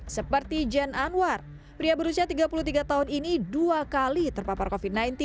seperti jane anwar pria berusia tiga puluh tiga tahun ini dua kali terpapar covid sembilan belas